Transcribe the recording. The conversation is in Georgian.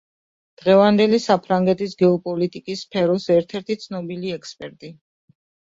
დღევანდელი საფრანგეთის გეოპოლიტიკის სფეროს ერთ-ერთი ცნობილი ექსპერტი.